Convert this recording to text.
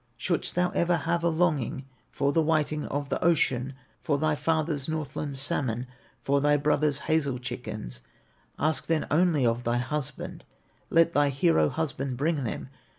"Shouldst thou ever have a longing For the whiting of the ocean, For thy father's Northland salmon, For thy brother's hazel chickens, Ask them only of thy husband, Let thy hero husband bring them.